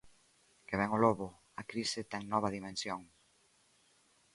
Que vén o lobo, a crise ten nova dimensión!